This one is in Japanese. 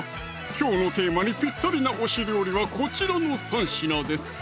きょうのテーマにぴったりな推し料理はこちらの３品です